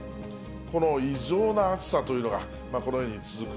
この異常な暑さというのが、このように続く。